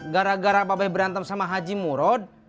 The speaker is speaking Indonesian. gara gara bapak berantem sama haji murud